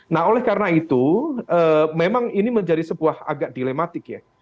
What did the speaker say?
nah oleh karena itu memang ini menjadi sebuah agak dilematik ya